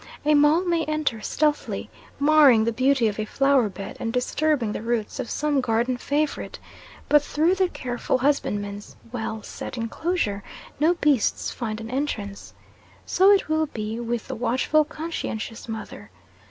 A mole may enter stealthily, marring the beauty of a flower bed, and disturbing the roots of some garden favorite, but through the careful husbandman's well set enclosure, no beasts find an entrance. So it will be with the watchful, conscientious mother.